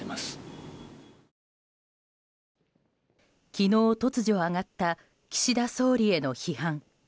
昨日、突如上がった岸田総理への批判。